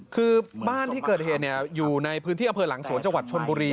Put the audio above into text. คือบ้านที่เกิดเหตุอยู่ในพื้นที่อำเภอหลังสวนจังหวัดชนบุรี